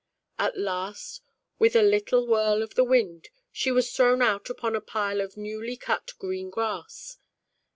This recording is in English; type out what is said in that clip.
At last, with a little whirl of the wind, she was thrown out upon a pile of newly cut green grass.